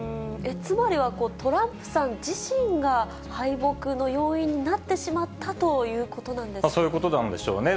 つまりは、トランプさん自身が敗北の要因になってしまったということなんでそういうことなんでしょうね。